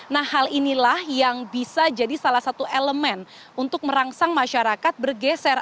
nah hal inilah yang bisa jadi salah satu elemen untuk merangsang masyarakat bergeser